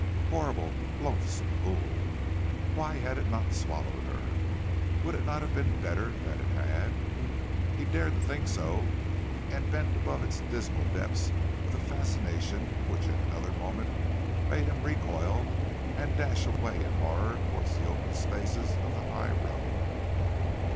Horrible, loathsome pool! why had it not swallowed her? Would it not have been better that it had? He dared to think so, and bent above its dismal depths with a fascination which in another moment made him recoil and dash away in horror towards the open spaces of the high road.